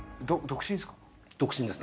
独身ですね。